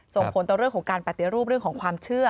ส่งผลต่อเรื่องของการปฏิรูปเรื่องของความเชื่อ